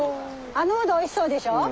あのウドおいしそうでしょ？